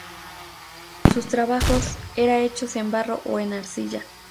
Sus trabajos era hechos en barro o en arcilla.